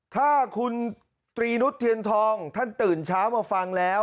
ถ้าคุณตรีนุษย์เทียนทองท่านตื่นเช้ามาฟังแล้ว